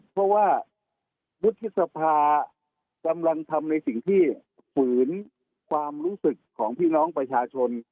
เพราะว่ามุธกิจภาพทำในสิ่งที่ฝืนความรู้สึกของทีน้องประชาชน